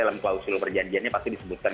dalam klausul perjanjiannya pasti disebutkan